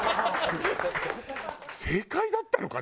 正解だったのかな？